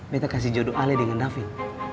beta kasih jodoh ale dengan david